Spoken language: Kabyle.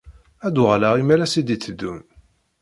Ad d-uɣaleɣ imalas i d-itteddun.